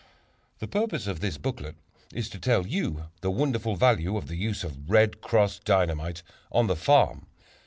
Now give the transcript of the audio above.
The purpose of this booklet is to tell you the wonderful value of the use of "Red Cross" Dynamite on the farm.